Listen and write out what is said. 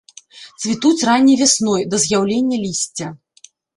Цвітуць ранняй вясной, да з'яўлення лісця.